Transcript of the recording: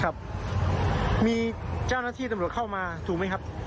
ครับมีเจ้าหน้าที่ตำรวจเข้ามาถูกไหมครับ